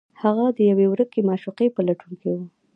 هغه د یوې ورکې معشوقې په لټون کې و